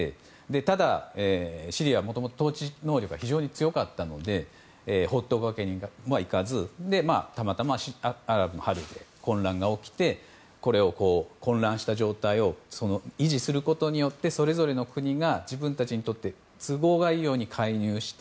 ただ、シリアはもともと統治能力が非常に強かったので放っておくわけにはいかずたまたまアラブの春で混乱が起き混乱した状態を維持することによってそれぞれの国が自分たちにとって都合がいいように介入して